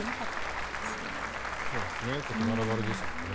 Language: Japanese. こうやってガラガラですもんね。